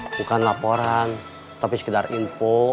bukan laporan tapi sekedar info